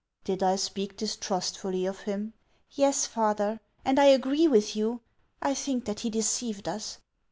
" Did I speak distrustfully of him ?" "Yes, father, and 1 agree with you; I think that he deceived us."